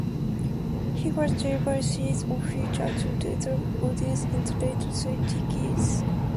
He has delivered series of lectures to diverse audiences in the last three decades.